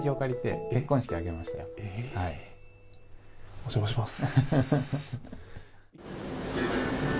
お邪魔します。